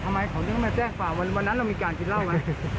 เพราะขอเรียกมาแจ้งฝ่าวันนั้นเรามีการกิจเร้าไหม